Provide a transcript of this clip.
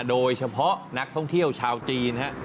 โดยเฉพาะนักท่องเที่ยวชาวจีน